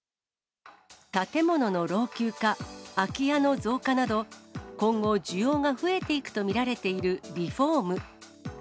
建物の老朽化、空き家の増加など、今後、需要が増えていくと見られているリフォーム。